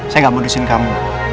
saya nggak mau dusin kamu